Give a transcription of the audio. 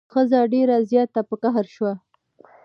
ښځه ډیر زیات په قهر شوه.